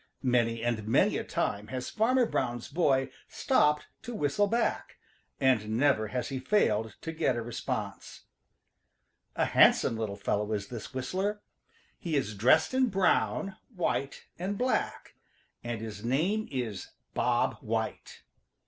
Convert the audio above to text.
Many and many a time has Farmer Brown's boy stopped to whistle back, and never has he failed to get a response. A handsome little fellow is this whistler. He is dressed in brown, white and black, and his name is Bob White.